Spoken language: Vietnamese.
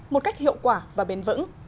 một cách hiệu quả và bền vững